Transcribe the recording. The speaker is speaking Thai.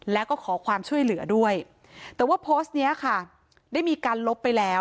แล้วก็ขอความช่วยเหลือด้วยแต่ว่าโพสต์นี้ค่ะได้มีการลบไปแล้ว